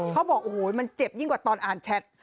เขาบอกโอ้โหมันเจ็บยิ่งกว่าตอนอ่านแชท